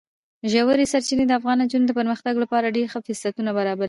ژورې سرچینې د افغان نجونو د پرمختګ لپاره ډېر ښه فرصتونه برابروي.